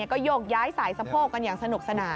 ก็โยกย้ายสายสะโพกกันอย่างสนุกสนาน